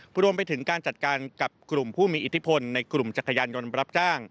รวมไปถึงการจัดการกับกลุ่มผู้มีอิทธิพลในกลุ่มจักรยานยนต์รับจ้าง